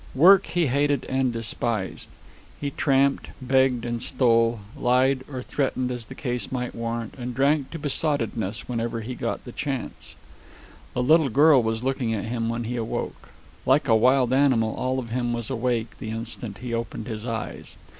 Work he hated and despised. He tramped, begged and stole, lied or threatened as the case might warrant, and drank to besottedness whenever he got the chance. The little girl was looking at him when he awoke. Like a wild animal, all of him was awake the instant he opened his eyes.